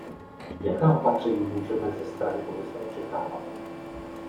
Jaká opatření můžeme ze strany Komise očekávat?